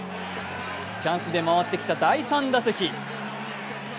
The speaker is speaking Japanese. チャンスで回ってきた第３打席。